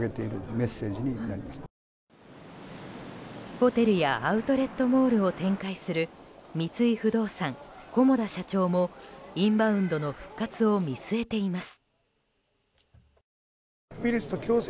ホテルやアウトレットモールを展開する三井不動産、菰田社長もインバウンドの復活を見据えています。